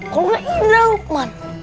kok lu gak ialah luqman